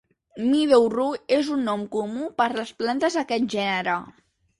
Meadow-rue és un nom comú per les plantes d'aquest gènere.